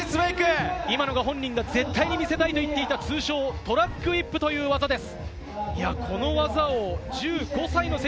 今のが本人が絶対見せたいと言っていた、通称・トラックウィップという技です。